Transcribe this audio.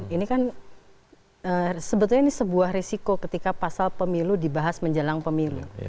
ini kan sebetulnya ini sebuah risiko ketika pasal pemilu dibahas menjelang pemilu